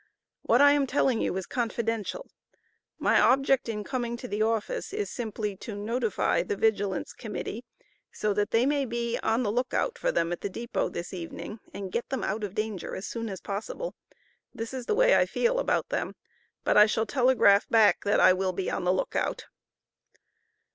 What I am telling you is confidential. My object in coming to the office is simply to notify the Vigilance Committee so that they may be on the look out for them at the depot this evening and get them out of danger as soon as possible. This is the way I feel about them; but I shall telegraph back that I will be on the look out."